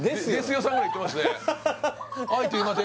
さんぐらいいってますね